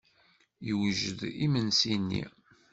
Yewjed yimensi-nni.